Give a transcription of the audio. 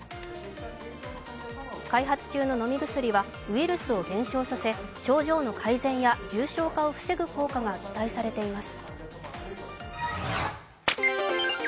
開発中の飲み薬はウイルスを減少させ症状の改善や重症化を防ぐ効果が期待されています。